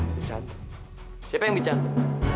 bercanda siapa yang bercanda